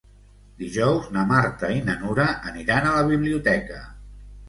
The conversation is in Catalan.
Dijous na Marta i na Nura aniran a la biblioteca.